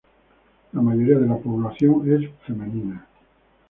La mayoría de la población es femenina.